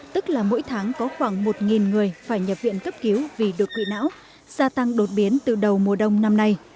tức là mỗi tháng có khoảng một người phải nhập viện cấp cứu vì đột quỵ não gia tăng đột biến từ đầu mùa đông năm nay